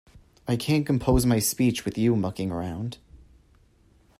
I can't compose my speech with you mucking around.